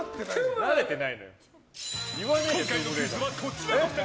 今回のクイズはこちらの２人。